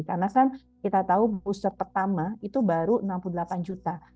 karena kan kita tahu booster pertama itu baru enam puluh delapan juta